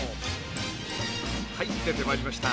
はい出てまいりました。